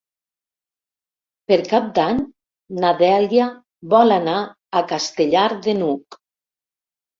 Per Cap d'Any na Dèlia vol anar a Castellar de n'Hug.